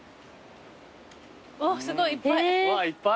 おっすごいいっぱい。